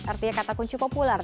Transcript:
artinya kata kunci populer